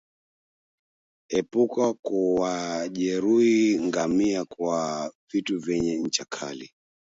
Epuka kuwajeruhi ngamia kwa vitu vyenye ncha kali